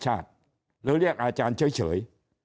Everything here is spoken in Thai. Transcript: หรือเรียกอาจารย์เฉย